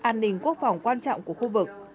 an ninh quốc phòng quan trọng của khu vực